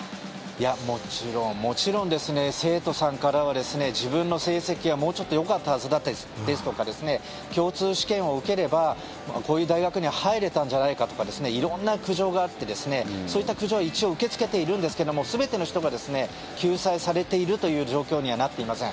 もちろん、生徒さんからは自分の成績は、もうちょっとよかったはずだですとか共通試験を受ければこういう大学に入れたんじゃないかとか色んな苦情があってそういった苦情は一応受け付けているんですけども全ての人が救済されているという状況にはなっていません。